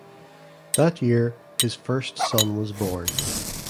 That year his first son was born.